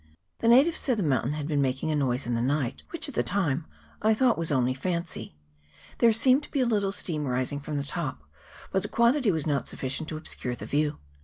The natives said the mountain had been making a noise in the night, which, at the time, I thought was only fancy : there seemed to be a little steam rising from the top 3 but the quantity was not sufficient to obscure the view.